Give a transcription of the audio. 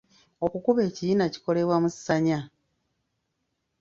Okukuba ekiyina kikolebwa mu ssanya.